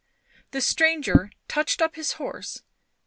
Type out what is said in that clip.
The stranger touched up his horse.